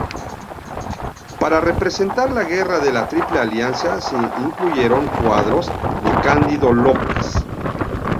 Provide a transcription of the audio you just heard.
Para representar la Guerra de la Triple Alianza se incluyeron cuadros de Cándido López.